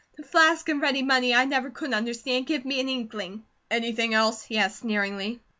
The flask and ready money I never could understand give me an inkling." "Anything else?" he asked, sneeringly.